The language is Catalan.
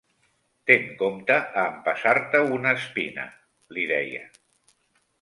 Ten compte a empassar-te una espina,—li deia